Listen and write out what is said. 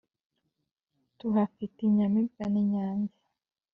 tuhafite inyamibwa n’inyange